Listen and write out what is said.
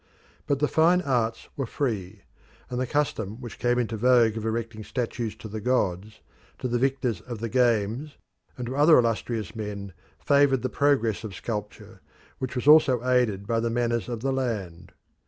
But the fine arts were free; and the custom which came into vogue of erecting statues to the gods, to the victors of the games, and to other illustrious men favoured the progress of sculpture, which was also aided by the manners of the land.